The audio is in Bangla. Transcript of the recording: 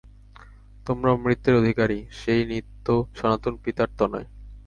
তোমরা অমৃতের অধিকারী, সেই নিত্য সনাতন পিতার তনয়।